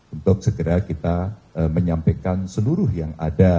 untuk segera kita menyampaikan seluruh yang ada